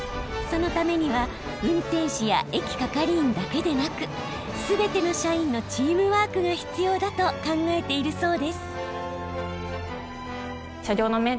そのためには運転士や駅係員だけでなく全ての社員のチームワークが必要だと考えているそうです。